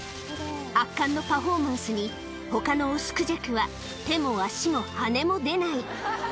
圧巻のパフォーマンスに、ほかの雄クジャクは手も足も羽も出ない。